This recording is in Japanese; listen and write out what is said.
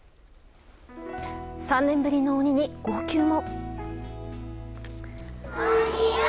３年ぶりの鬼に号泣も。